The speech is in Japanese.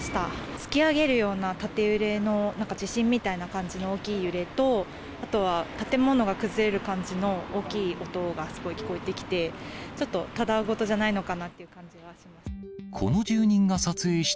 突き上げるような縦揺れのなんか地震みたいな感じの大きい揺れと、あとは建物が崩れる感じの大きい音がすごい聞こえてきて、ちょっとただごとじゃないのかなという感じがしました。